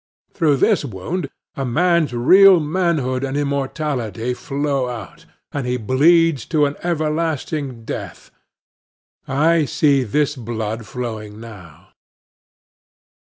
Through this wound a man's real manhood and immortality flow out, and he bleeds to an everlasting death. I see this blood flowing now.